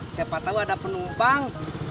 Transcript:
siapa tau ada penumpang